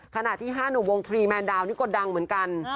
ขณะที่๕หนุ่มวงทรีแมนดาวนี่ก็ดังเหมือนกัน